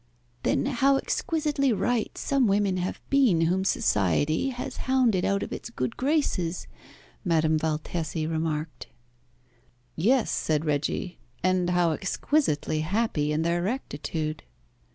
"Then how exquisitely right some women have been whom Society has hounded out of its good graces," Madame Valtesi remarked. "Yes," said Reggie. "And how exquisitely happy in their rectitude."